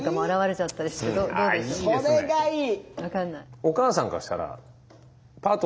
それがいい！